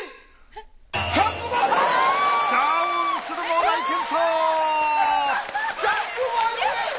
すごい！